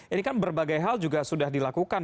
ini kan berbagai hal juga sudah dilakukan